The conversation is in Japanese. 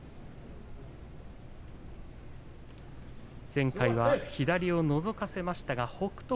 前回は左をのぞかせましたが北勝